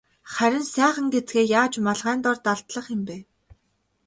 Харин сайхан гэзгээ яаж малгайн дор далдлах юм бэ?